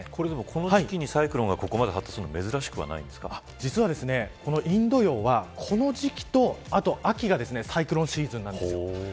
この時期にサイクロンがここまで発達するのは実はインド洋は、この時期とあと秋がサイクロンシーズンなんです。